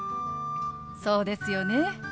そうですよね。